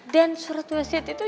dan surat wasiat itu